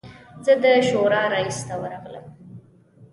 زه د شورا رییس ته ورغلم.